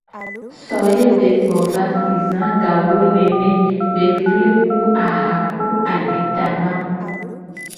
So ye be gbo va si za ga wo nene be vle ku aha caka ku aditama.